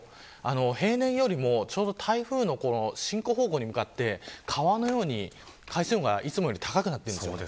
平年よりもちょうど台風の進行方向に向かって川のように海水温がいつもより高くなっています。